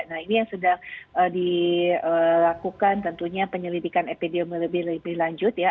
nah ini yang sudah dilakukan tentunya penyelidikan epidemiologi lebih lanjut ya